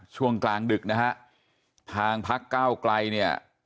ช่วงกลางดึกนะฮะทางพักเก้าไกลเนี่ย